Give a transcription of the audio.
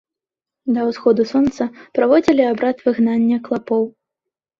Да ўсходу сонца праводзілі абрад выгнання клапоў.